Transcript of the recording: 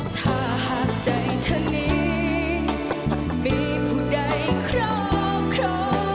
ถ้าหากใจท่านนี้มีผู้ใดครอบครอง